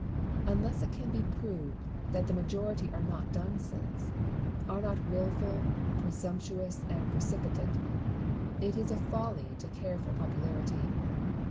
Unless it can be proved that the majority are not dunces — are not wilful, presumptuous, and precipitate — it is a folly to care for popularity.